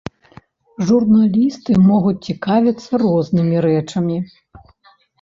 Журналісты могуць цікавіцца рознымі рэчамі.